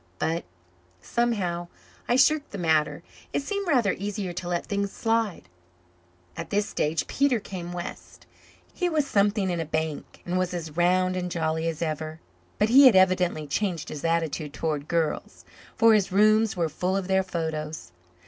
But, somehow, I shirked the matter. It seemed rather easier to let things slide. At this stage Peter came west. He was something in a bank, and was as round and jolly as ever; but he had evidently changed his attitude towards girls, for his rooms were full of their photos.